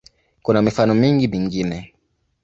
Kuna mifano mingi mingine.